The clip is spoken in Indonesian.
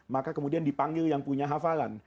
maka kemudian dipanggil yang punya hafalan